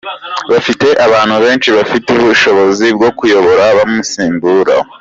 Bafite abantu benshi bafite ubushobozi bwo kuyobora bamusimbura.